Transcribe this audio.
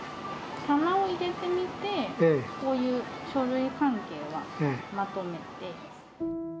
棚を入れてみてこういう書類関係はまとめて。